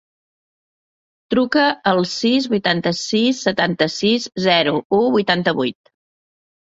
Truca al sis, vuitanta-sis, setanta-sis, zero, u, vuitanta-vuit.